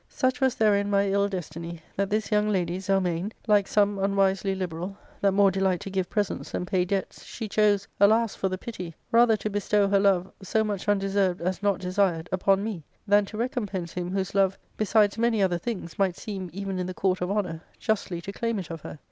Such was therein my ill destiily, that this young lady, Zel mane, like some unwisely liberal, that more delight to give presents than pay debts, she chose — alas for the pity !— rather to bestow her love, so much undeserved as not de 9ired, upon me, than to recompense him whose love, besides many other things, might seem, even in the court of honour, justly to claim it of her.